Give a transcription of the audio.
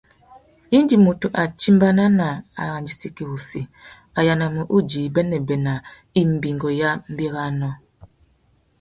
Indi mutu a timbāna nà arandissaki wussi, a yānamú udjï bênêbê nà imbîngô ya mbérénô.